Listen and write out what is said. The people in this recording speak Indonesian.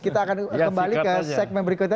kita akan kembali ke segmen berikutnya